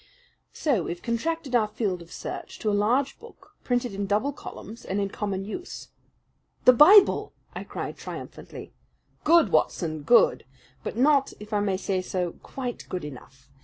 "So we have contracted our field of search to a large book, printed in double columns and in common use." "The Bible!" I cried triumphantly. "Good, Watson, good! But not, if I may say so, quite good enough!